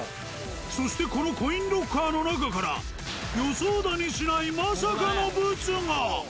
そしてこのコインロッカーの中から予想だにしないまさかのブツが！